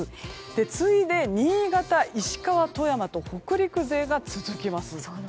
次いで新潟、石川、富山と北陸勢が続きます。